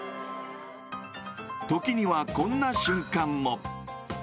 時には、こんな瞬間も。